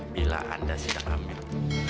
bila anda sudah kehamilan